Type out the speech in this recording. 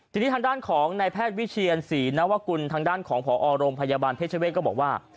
ทีนี้ทางด้านของนายแพทย์วิเชียนศรีนวกุลทางด้านของพอโรงพยาบาลเพชรเวศก็บอกว่า